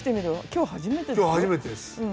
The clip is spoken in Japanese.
今日初めてです。